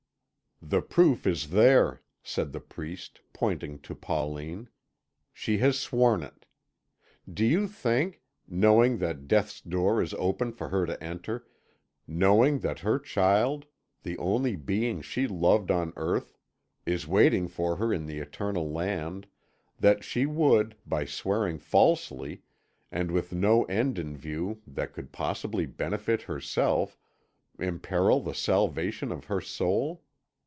"The proof is there," said the priest, pointing to Pauline; "she has sworn it. Do you think knowing that death's door is open for her to enter knowing that her child, the only being she loved on earth, is waiting for her in the eternal land that she would, by swearing falsely, and with no end in view that could possibly benefit herself, imperil the salvation of her soul?